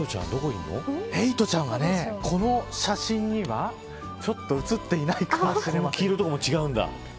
エイトちゃんは、この写真にはちょっと写っていないかもしれません。